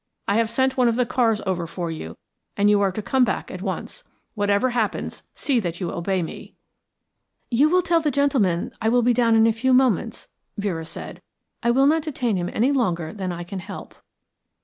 I have sent one of the cars over for you, and you are to come back at once. Whatever happens, see that you obey me." "You will tell the gentleman I will be down in a few moments," Vera said. "I will not detain him any longer than I can help."